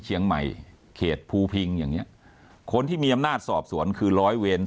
เชียงใหม่เขตภูพิงอย่างเงี้ยคนที่มีอำนาจสอบสวนคือร้อยเวร